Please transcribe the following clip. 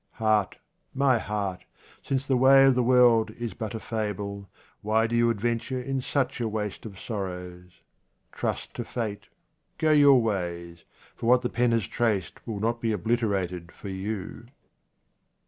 Heart, my heart, since the way of the world is but a fable, why do you adventure in such a waste of sorrows ? Trust to fate, go your ways, for what the pen has traced will not be oblite rated for you.